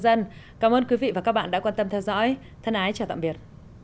dân cảm ơn quý vị và các bạn đã quan tâm theo dõi thân ái chào tạm biệt